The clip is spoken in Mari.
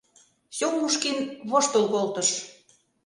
— Сёмушкин воштыл колтыш.